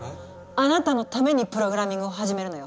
あなたのためにプログラミングを始めるのよ。